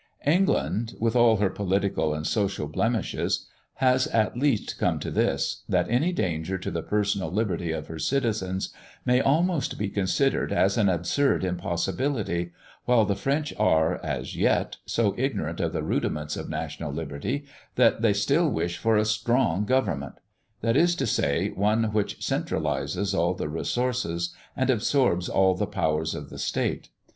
England, with all her political and social blemishes, has at least come to this, that any danger to the personal liberty of her citizens may almost be considered as an absurd impossibility, while the French are, as yet, so ignorant of the rudiments of national liberty, that they still wish for a strong government; that is to say, one which centralises all the resources, and absorbs all the powers of the State.